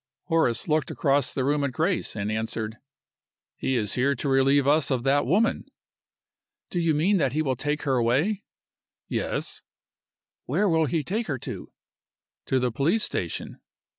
Horace looked across the room at Grace, and answered, "He is here to relieve us of that woman." "Do you mean that he will take her away?" "Yes." "Where will he take her to?" "To the police station."